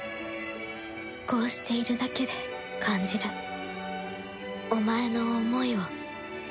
こうしているだけで感じるお前の思いを